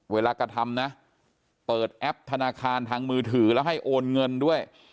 กระทำนะเปิดแอปธนาคารทางมือถือแล้วให้โอนเงินด้วย